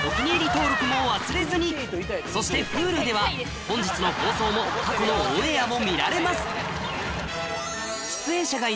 登録も忘れずにそしてＨｕｌｕでは本日の放送も過去のオンエアも見られます